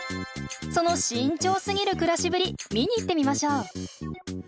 その慎重すぎる暮らしぶり見に行ってみましょう。